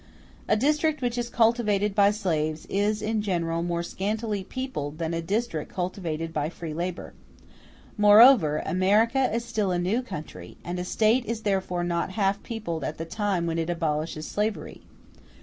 A district which is cultivated by slaves is in general more scantily peopled than a district cultivated by free labor: moreover, America is still a new country, and a State is therefore not half peopled at the time when it abolishes slavery.